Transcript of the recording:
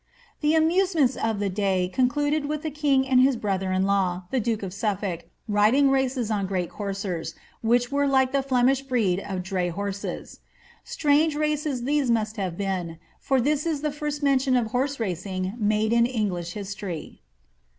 The amusements of the day concluded with the king and his brother in bw, the duke of Sufiblk, riding races on great coursers, which were hke the Flemish breed of dray horses. Strange races these must have been, but this is the first mention of horse racing made in English history.'